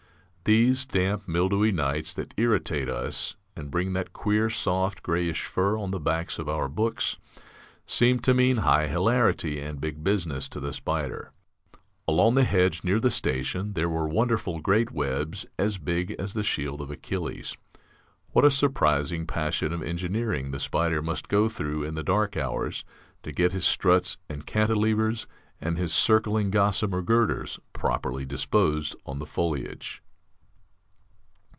These damp, mildewy nights that irritate us and bring that queer soft grayish fur on the backs of our books seem to mean high hilarity and big business to the spider. Along the hedge near the station there were wonderful great webs, as big as the shield of Achilles. What a surprising passion of engineering the spider must go through in the dark hours, to get his struts and cantilevers and his circling gossamer girders properly disposed on the foliage.